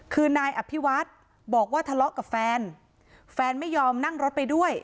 คือนายอภิวัฒน์บอกว่าทะเลาะกับแฟนแฟนไม่ยอมนั่งรถไปด้วย